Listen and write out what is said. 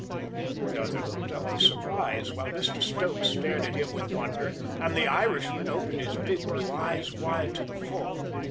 The other looked up with surprise, while Mr Stokes stared at him with wonder, and the Irishman opened his big blue eyes wide to the full.